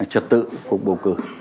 trật tự cuộc bầu cử